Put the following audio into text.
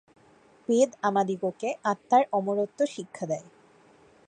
বেদ আমাদিগকে আত্মার অমরত্ব শিক্ষা দেয়।